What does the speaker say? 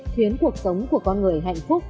khiến cuộc sống của con người hạnh phúc